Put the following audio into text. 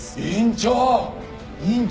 院長！